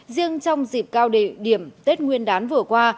riêng trong dịp cao địa điểm tết nguyên đán vừa qua